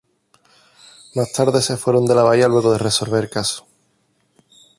Más tarde se fueron de la bahía luego de resolver el caso.